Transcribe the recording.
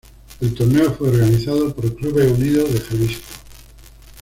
El torneo fue organizado por Clubes Unidos de Jalisco.